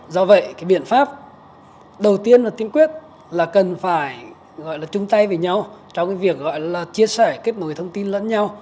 do vậy cái biện pháp đầu tiên và tiên quyết là cần phải gọi là chung tay với nhau trong cái việc gọi là chia sẻ kết nối thông tin lẫn nhau